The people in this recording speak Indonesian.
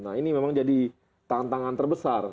nah ini memang jadi tantangan terbesar